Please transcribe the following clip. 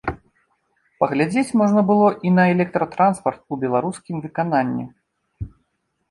Паглядзець можна было і на электратранспарт у беларускім выкананні.